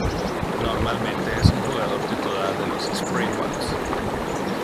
Normalmente es un jugador titular de los Springboks.